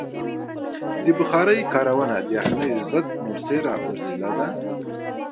د بخارۍ کارونه د یخنۍ ضد مؤثره وسیله ده.